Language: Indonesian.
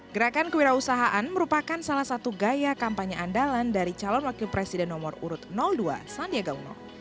gerakan kewirausahaan merupakan salah satu gaya kampanye andalan dari calon wakil presiden nomor urut dua sandiaga uno